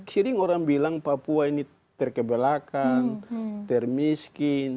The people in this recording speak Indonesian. sering orang bilang papua ini terkebelakan termiskin